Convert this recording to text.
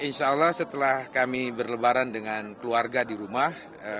insya allah setelah kami berlebaran dengan keluarga di rumah